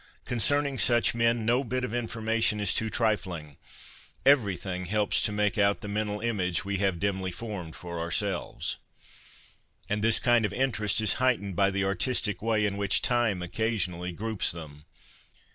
Concerning such men no bit of information is too trifling ; everything helps to make out the mental image we have dimly formed for ourselves. And this kind of interest is heightened by the artistic way in which Time oc casionally groups them.